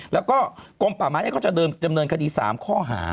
แล้วก็กลมป่าไม้เขาจะดำเนินคดี๓ข้อหา